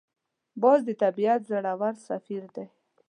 باز د طبیعت زړور سفیر دی